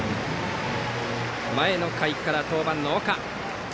前の回から登板の岡。